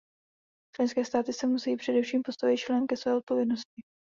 Členské státy se musejí především postavit čelem ke své odpovědnosti.